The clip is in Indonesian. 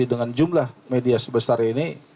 dengan jumlah media sebesar ini